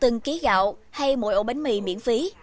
chí gạo hay mỗi ổ bánh mì miễn phí